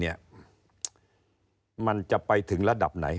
มันจะไปถึงระดับไหน